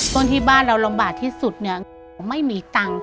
คนที่บ้านเราลำบากที่สุดเนี่ยไม่มีตังค์